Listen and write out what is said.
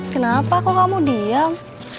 kenapa kok kamu diam